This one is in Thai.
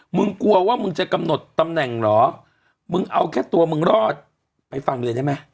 มึงกลัวว่ามึงจะกำหนดตำแหน่งเหรอมึงเอาแค่ตัวมึงรอดไปฟังเลยได้ไหม